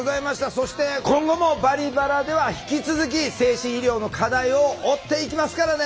そして今後も「バリバラ」では引き続き精神医療の課題を追っていきますからね。